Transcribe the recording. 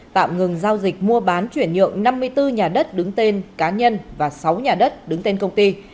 tạm ngừng giao dịch mua bán chuyển nhượng năm mươi bốn nhà đất đứng tên cá nhân và sáu nhà đất đứng tên công ty